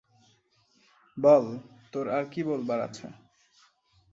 বল, তোর আর কি বলবার আছে।